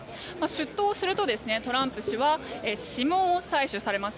出頭すると、トランプ氏は指紋を採取されます。